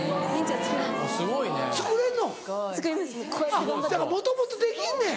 あっもともとできんねん。